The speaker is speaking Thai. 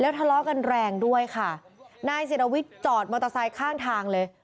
ทะเลาะกันแรงด้วยค่ะนายศิรวิทย์จอดมอเตอร์ไซค์ข้างทางเลย